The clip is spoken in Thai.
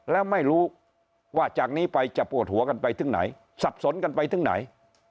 แล้วไม่รู้ว่าจากนี้ไปจะปวดหัวกันไปถึงไหนสับสนกันไปถึงไหน